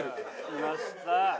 きました！